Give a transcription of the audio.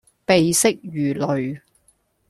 鼻息如雷